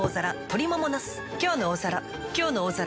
「きょうの大皿」